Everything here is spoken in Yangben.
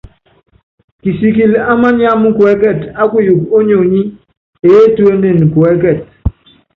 Kisikilɛ á mániáma kuɛ́kɛt á kuyuuku ónyionyi, eétuénen kuɛkɛt.